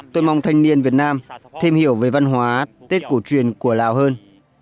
tôi mong thanh niên việt nam thêm hiểu về văn hóa tết cổ truyền của lào hơn